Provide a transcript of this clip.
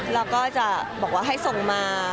แล้วก็จะบอกว่าให้ส่งมา